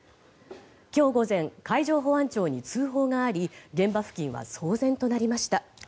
今日午前海上保安庁に通報があり現場付近は騒然となりました。